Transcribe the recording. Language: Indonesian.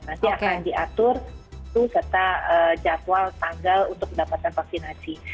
nanti akan diatur serta jadwal tanggal untuk mendapatkan vaksinasi